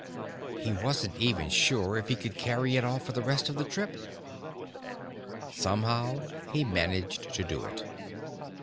He wasn't even sure he could carry it off for the rest of the trip. Somehow, he managed to do it.